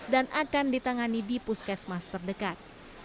dan akan ditangani di puskesmas terdekat